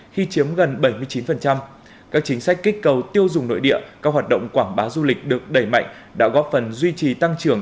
khi chiếm gần bảy mươi chín các chính sách kích cầu tiêu dùng nội địa các hoạt động quảng bá du lịch được đẩy mạnh đã góp phần duy trì tăng trưởng